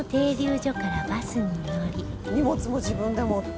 荷物も自分で持って。